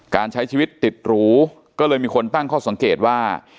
การใช้ชีวิตติดหรูก็เลยมีคนตั้งข้อสังเกตว่า